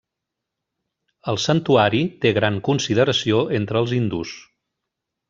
El santuari té gran consideració entre els hindús.